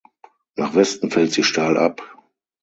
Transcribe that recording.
Nach Westen fällt sie steil ab.